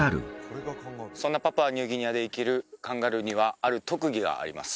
そんなパプアニューギニアで生きるカンガルーにはある特技があります